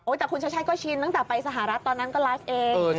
แต่คุณชัดชัยก็ชินตั้งแต่ไปสหรัฐตอนนั้นก็ไลฟ์เอง